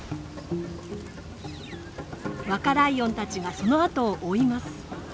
若ライオンたちがその後を追います。